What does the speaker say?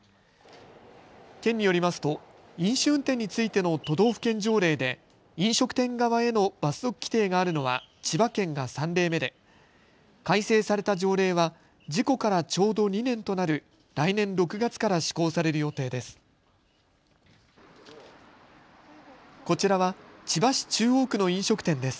県によりますと飲酒運転についての都道府県条例で飲食店側への罰則規定があるのは千葉県が３例目で改正された条例は事故からちょうど２年となる来年６月から施行される予定です。